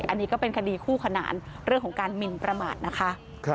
อันนี้ก็เป็นคดีคู่ขนานเรื่องของการหมินประมาทนะคะ